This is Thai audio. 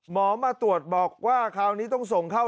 มาตรวจบอกว่าคราวนี้ต้องส่งเข้า